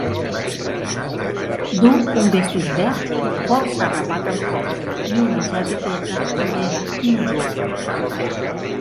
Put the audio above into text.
Du un vestit verd, força arrapat al cos, i una jaqueteta torera negre.